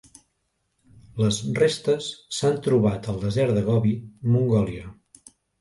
Les restes s'han trobat al desert de Gobi, Mongòlia.